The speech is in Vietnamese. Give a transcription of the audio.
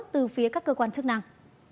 từ phía các cơ quan chức năng